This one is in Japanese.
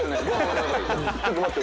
ちょっと待って。